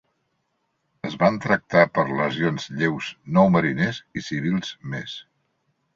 Es van tractar per lesions lleus nou mariners i civils més.